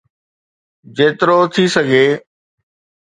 جيترو ٿي سگهي